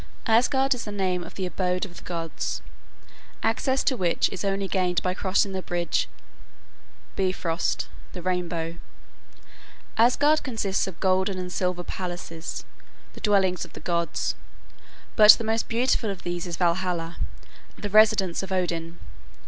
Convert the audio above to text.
Asgard is the name of the abode of the gods, access to which is only gained by crossing the bridge Bifrost (the rainbow). Asgard consists of golden and silver palaces, the dwellings of the gods, but the most beautiful of these is Valhalla, the residence of Odin.